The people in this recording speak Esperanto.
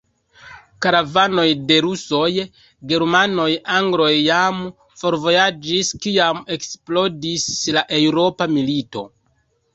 Karavanoj de Rusoj, Germanoj, Angloj jam forvojaĝis, kiam eksplodis la eŭropa milito.